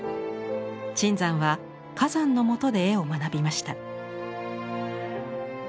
椿山は崋山の下で絵を学びました。